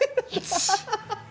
ハハハハ！